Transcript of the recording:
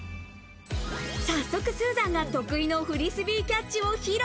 早速スーザンが得意のフリスビーキャッチを披露。